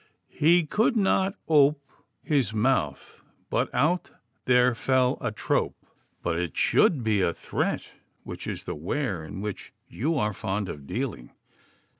"He could not ope His mouth, but out there fell a trope." But it should be a threat, which is the ware in which you are fond of dealing.